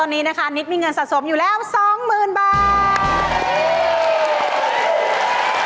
นิดมีเงินสะสมอยู่แล้ว๒๐๐๐๐บาท